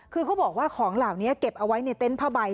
คือเขาบอกว่าของเหล่านี้เก็บเอาไว้ในเต็นต์ผ้าใบ